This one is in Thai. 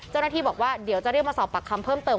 เจ้าหน้าที่บอกว่าเดี๋ยวจะเรียกมาสอบปากคำเพิ่มเติม